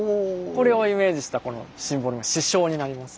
これをイメージしたこのシンボル市章になります。